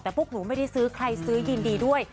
แต่พวกหนูไม่ได้ซื้อใครซื้อยินดีด้วย